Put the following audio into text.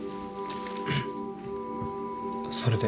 それで？